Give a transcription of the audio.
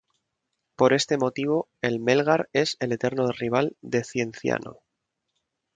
Por este motivo, el Melgar es el eterno rival de Cienciano.